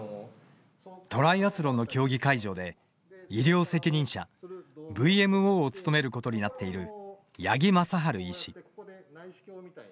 トライアスロンの競技会場で医療責任者、「ＶＭＯ」を務めることになっている八木正晴医師。